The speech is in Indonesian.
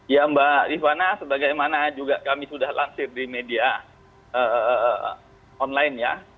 ya mbak rifana sebagaimana juga kami sudah lansir di media online ya